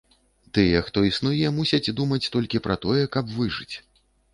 Тыя, хто існуе, мусяць думаць толькі пра тое, каб выжыць.